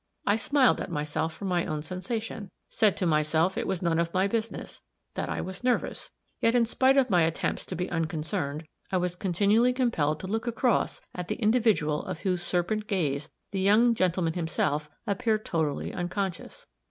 I smiled at myself for my own sensation said to myself it was none of my business that I was nervous yet, in spite of my attempts to be unconcerned, I was continually compelled to look across at the individual of whose serpent gaze the young gentleman himself appeared totally unconscious.